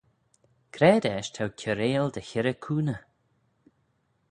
C'raad eisht t'ou kiarail dy hirrey cooney?